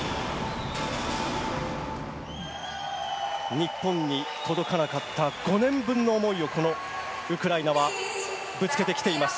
日本に届かなかった５年分の思いを、このウクライナはぶつけてきています。